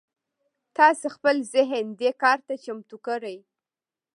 تاسې خپل ذهن دې کار ته چمتو کړئ.